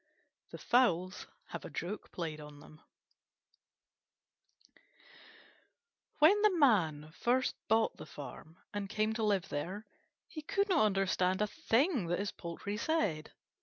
THE FOWLS HAVE A JOKE PLAYED ON THEM When the Man first bought the farm and came to live there, he could not understand a thing that his poultry said.